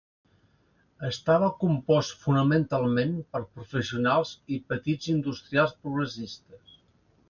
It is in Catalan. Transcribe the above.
Estava compost fonamentalment per professionals i petits industrials progressistes.